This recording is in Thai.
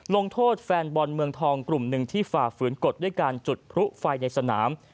ลงโทษแฟนบอลเมืองทองกลุ่มหนึ่งที่ฝ่าฝืนกฎด้วยการจุดพลุไฟในสนาม